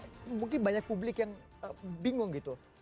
tapi coba mungkin banyak publik yang bingung gitu